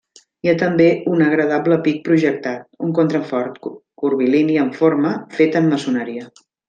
Hi ha també un agradable pic projectat, un contrafort, curvilini en forma, fet en maçoneria.